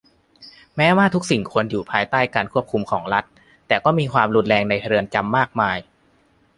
แม้ว่าทุกสิ่งควรอยู่ภายใต้การควบคุมของรัฐ แต่ก็มีความรุนแรงในเรือนจำมากมาย